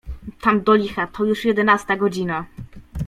"Tam do licha, to już jedenasta godzina."